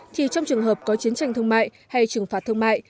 thì trong trường hợp có chiến tranh thương mại hay trừng phạt thương mại